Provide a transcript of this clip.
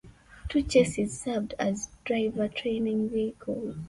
Two chassis served as driver training vehicles.